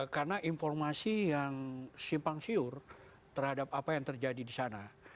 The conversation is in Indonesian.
karena informasi yang simpang siur terhadap apa yang terjadi di sana